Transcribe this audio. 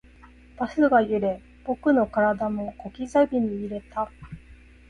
バスが揺れ、僕の体も小刻みに揺れた